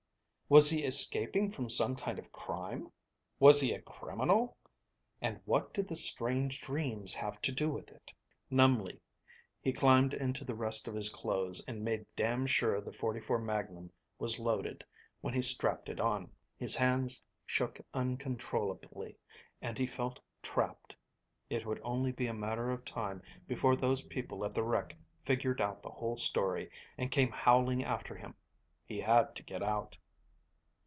Was he escaping from some kind of crime? Was he a criminal, and what did the strange dreams have to do with it? Numbly he climbed into the rest of his clothes and made damned sure the .44 magnum was loaded when he strapped it on. His hands shook uncontrollably and he felt trapped. It would only be a matter of time before those people at the wreck figured out the whole story and came howling after him. He had to get out.